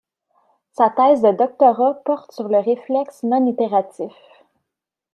Sa thèse de doctorat porte sur le réflexe non itératif.